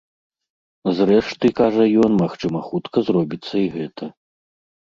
Зрэшты, кажа ён, магчыма хутка зробіцца і гэта.